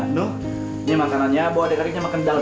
ini rumah saya berantakan banget